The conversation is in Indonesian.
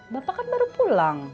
bapak kan baru pulang